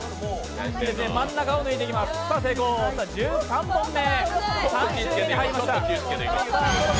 １３本目。